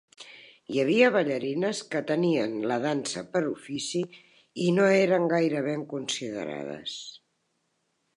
Hi havia ballarines que tenien la dansa per ofici i no eren gaire ben considerades.